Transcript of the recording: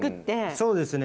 そうですね。